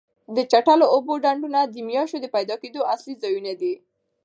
د چټلو اوبو ډنډونه د ماشو د پیدا کېدو اصلي ځایونه دي.